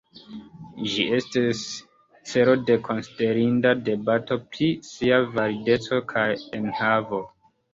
Ĝi estis celo de konsiderinda debato pri sia valideco kaj enhavo.